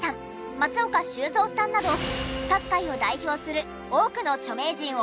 松岡修造さんなど各界を代表する多くの著名人を輩出。